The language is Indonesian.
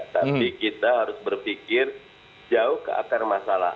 tapi kita harus berpikir jauh ke akar masalah